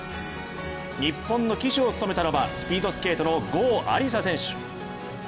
日本の旗手を務めたのはスピードスケートの郷亜里砂選手。